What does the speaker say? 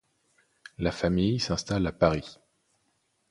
La famille s’installe à Paris.